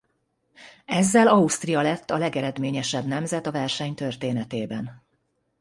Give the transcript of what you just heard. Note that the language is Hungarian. Ezzel Ausztria lett a legeredményesebb nemzet a verseny történetében.